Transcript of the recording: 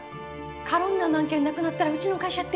カロンナの案件なくなったらうちの会社って。